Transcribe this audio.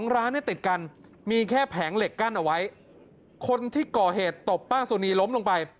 ร้านเนี่ยติดกันมีแค่แผงเหล็กกั้นเอาไว้คนที่ก่อเหตุตบป้าสุนีล้มลงไป